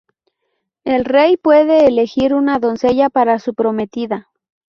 El Rey puede elegir una doncella para ser su prometida.